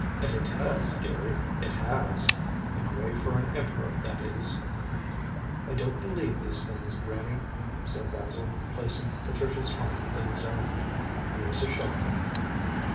"And it has, deary; it has. A grave for an emperor that is." "I don't believe these things, Granny," said Basil, placing Patricia's arm within his own. "Here's a shilling."